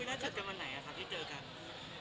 คุยแล้วเจอกันวันไหนครับที่เจอกัน